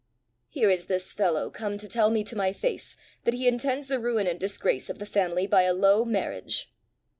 "Here is this fellow come to tell me to my face that he intends the ruin and disgrace of the family by a low marriage!"